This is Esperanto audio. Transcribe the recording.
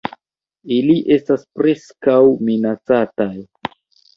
Ili estas Preskaŭ Minacataj.